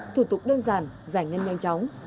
thủ tục đơn giản giải ngân nhanh chóng